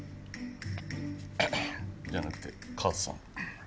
じゃなくて母さん。